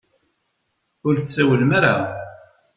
Ur d-tsawlem ara.